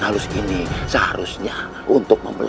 aku semakin bertantang